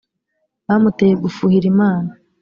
bamuteye gufuhira imana